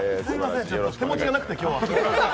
手持ちがなくて、今日は。